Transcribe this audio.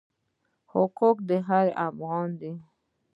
حقوق د هر افغان دی.